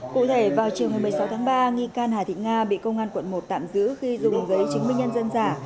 cụ thể vào chiều một mươi sáu tháng ba nghi can hà thị nga bị công an quận một tạm giữ khi dùng giấy chứng minh nhân dân giả